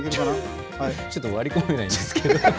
ちょっと割り込めないですけど。